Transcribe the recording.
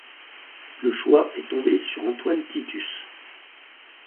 Le choix est tombé sur Antoine Titus.